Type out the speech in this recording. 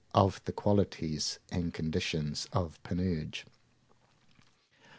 Of the qualities and conditions of Panurge.